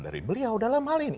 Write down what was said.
dari beliau dalam hal ini